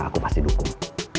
aku pasti dukung